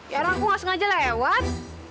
yara aku gak sengaja lewat